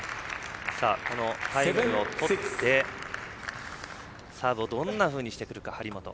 このタイムを取ってサーブをどんなふうにしてくるか張本。